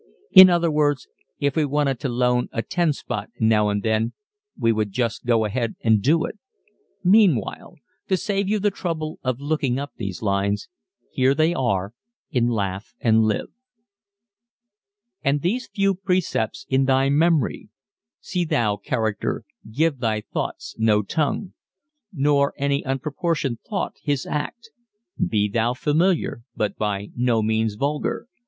In other words if we wanted to loan a "ten spot" now and then we would just go ahead and do it meanwhile, to save you the trouble of looking up these lines, here they are in "Laugh and Live" And these few precepts in thy memory See thou charácter Give thy thoughts no tongue, Nor any unproportioned thought his act. Be thou familiar, but by no means vulgar.